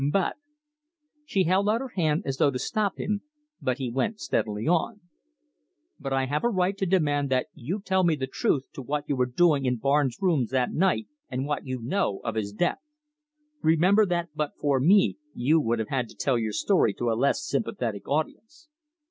But " She held out her hand as though to stop him, but he went steadily on. "But I have a right to demand that you tell me the truth as to what you were doing in Barnes' rooms that night, and what you know of his death. Remember that but for me you would have had to tell your story to a less sympathetic audience."